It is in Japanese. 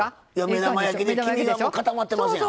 目玉焼きで黄身がもう固まってますやん。